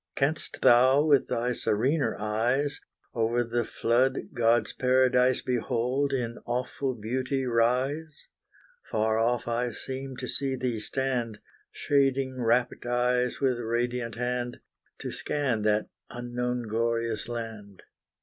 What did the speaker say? Canst thou, with thy serener eyes, Over the flood God's paradise, Behold in awful beauty rise? Far off I seem to see thee stand, Shading rapt eyes with radiant hand, To scan that unknown glorious land.